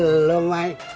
he ada lu mai